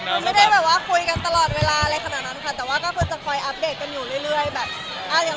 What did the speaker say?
แต่ว่าก็จะคอยอัพเดทกันอยู่เรื่อย